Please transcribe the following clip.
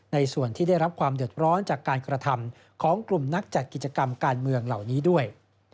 ในส่วนที่ได้รับความเดือดร้อนจากการกระทำของกลุ่มนักจัดกิจกรรมการเมืองเหล่านี้ด้วย